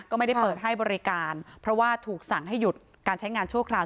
ก็ไม่ได้เปิดให้บริการเพราะว่าถูกสั่งให้หยุดการใช้งานชั่วคราว